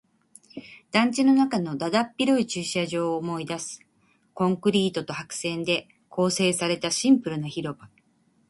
団地の中のだだっ広い駐車場を思い出す。コンクリートと白線で構成されたシンプルな広場。